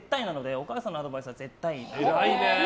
お母さんのアドバイスは絶対なので。